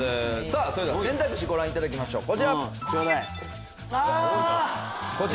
それでは選択肢ご覧いただきましょうこちら。